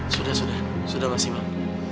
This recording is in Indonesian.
sudah sudah sudah mas imam